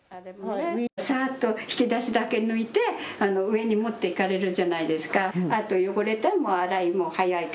さあっと引き出しだけ抜いて上に持っていかれるじゃないですか。